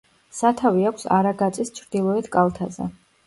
სათავე აქვს არაგაწის ჩრდილოეთ კალთაზე.